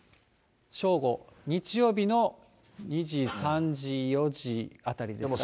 正午、日曜日の２時、３時、４時あたりですかね。